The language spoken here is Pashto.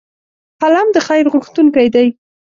قلم د خیر غوښتونکی دی